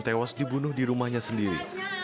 tewas dibunuh di rumahnya sendiri